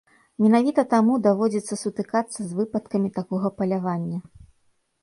Менавіта таму даводзіцца сутыкацца з выпадкамі такога палявання.